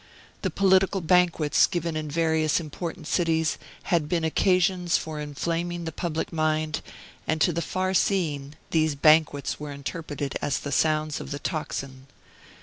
The political banquets given in various important cities had been occasions for inflaming the public mind, and to the far seeing, these banquets were interpreted as the sounds of the tocsin.